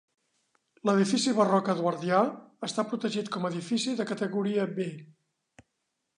L'edifici barroc eduardià està protegit com a edifici de categoria B.